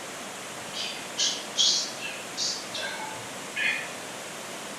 Ig‘vo, hasad, bo‘hton. To‘lqin Tojiyev nima uchun teatrdan ketgan edi?